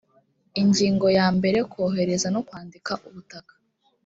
ingingo yambere kohereza no kwandika ubutaka